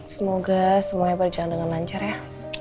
semoga semuanya berjalan dengan lancar ya